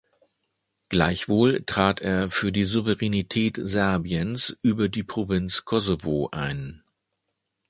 Gleichwohl trat er für die Souveränität Serbiens über die Provinz Kosovo ein.